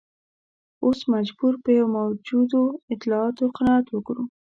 اوس مجبور یو په موجودو اطلاعاتو قناعت وکړو.